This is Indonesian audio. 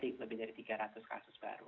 lebih dari tiga ratus kasus baru